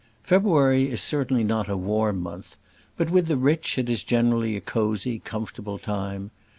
February is certainly not a warm month; but with the rich it is generally a cosy, comfortable time.